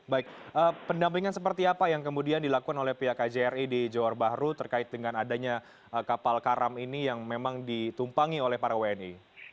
baik pendampingan seperti apa yang kemudian dilakukan oleh pihak kjri di johor bahru terkait dengan adanya kapal karam ini yang memang ditumpangi oleh para wni